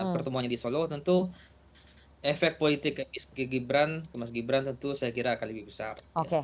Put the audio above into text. pertemuannya di solo tentu efek politik ke gibran ke mas gibran tentu saya kira akan lebih besar